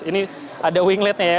ini ada wingletnya ya